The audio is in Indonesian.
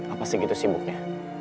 apa segitu sibuknya